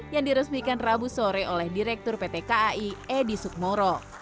yang diresmikan rabu sore oleh direktur pt kai edi sukmoro